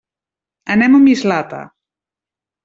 Anem a Mislata.